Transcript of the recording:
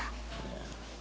kalau posisi papi di kamu